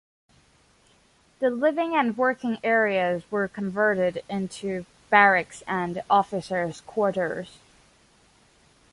The living and working areas were converted into barracks and officers' quarters.